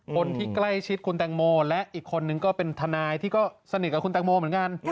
คนที่ใกล้ชิดคุณแตงโมและอีกคนนึงก็เป็นทนายที่ก็สนิทกับคุณแตงโมเหมือนกัน